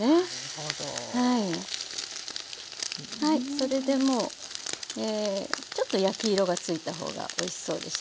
それでもうちょっと焼き色がついたほうがおいしそうでしょ。